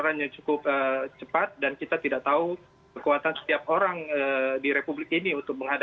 dan yestera tapi untuk berharap saja adalah